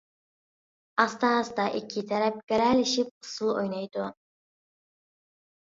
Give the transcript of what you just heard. ئاستا-ئاستا ئىككى تەرەپ گىرەلىشىپ ئۇسسۇل ئوينايدۇ.